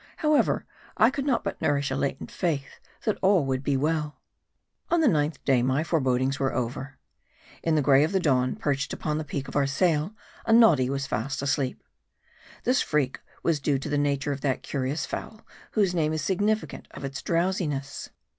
How ever, I could not but nourish a latent faith that all would yet be well. On the ninth day my forebodings were over. In the gray of the dawn, perched upon the peak of our sail, a noddy was seen fast asleep. This freak was true to the nature of that curious fowl, whose name is significant of its MARDT. 151 drowsiness.